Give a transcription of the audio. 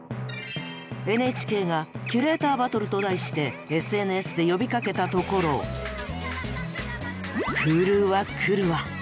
ＮＨＫが「キュレーターバトル」と題してＳＮＳで呼びかけたところ来るわ来るわ。